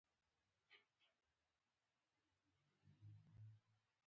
ایا زه باید د نباتي غوړي وخورم؟